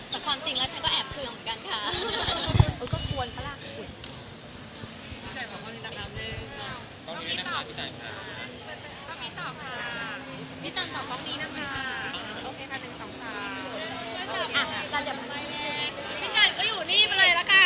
แต่ความจริงแล้วฉันก็แอบเคืองเหมือนกันค่ะ